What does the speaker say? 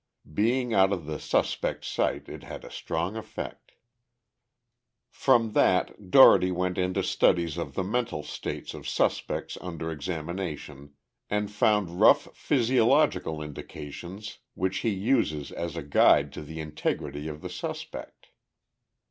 Being out of the suspect's sight, it had a strong effect. From that, Dougherty went into studies of the mental states of suspects under examination, and found rough physiological indications which he uses as a guide to the integrity of the suspect.